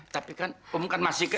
tapi kan umum kan masih ke